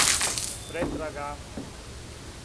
Претрага